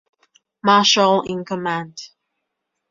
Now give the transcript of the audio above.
Marshall in command.